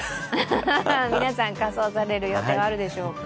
皆さん仮装される予定はあるでしょうか。